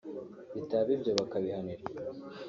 bitaba ibyo bakabihanirwa